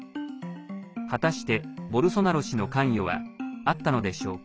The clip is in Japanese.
果たして、ボルソナロ氏の関与はあったのでしょうか。